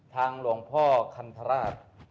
หลวงพ่อคันธราช